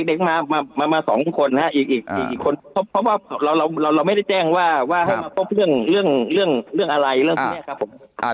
เด็กมา๒คนครับอีกคนเพราะว่าเราไม่ได้แจ้งว่าให้มาพบเรื่องอะไร